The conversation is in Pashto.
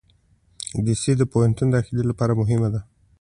انګلیسي د پوهنتون داخلې لپاره مهمه ده